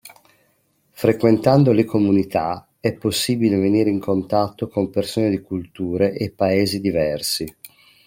Frequentando le comunità è possibile venire in contatto con persone di culture e Paesi diversi.